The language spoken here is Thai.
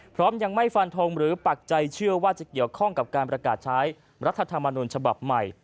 พร้อมยังไม่ฟันทงหรือปักใจเชื่อว่าจะเกี่ยวข้องกับการประกาศใช้รัฐธรรมนุนฉบับใหม่